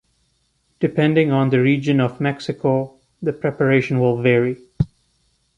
Depending on the region of Mexico, the preparation will vary.